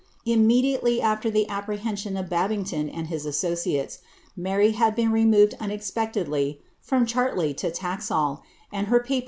■* Immediately after llie apprehension of Babington and his a»ortU| Mary had been removed uaexpeciedly from Chartley to Tisal, and llj lei?